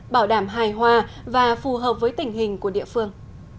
bảo đảm hài hòa và phù hợp với tình hình của địa phương